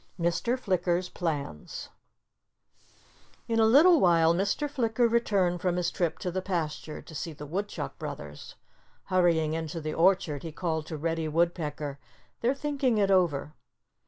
*VI* *MR. FLICKER'S PLANS* In a little while Mr. Flicker returned from his trip to the pasture to see the Woodchuck brothers. Hurrying into the orchard he called to Reddy Woodpecker, "They're thinking it over."